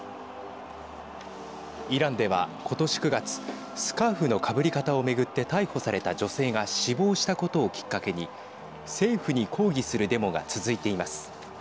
イランでは今年９月スカーフのかぶり方を巡って逮捕された女性が死亡したことをきっかけに政府に抗議するデモが続いています。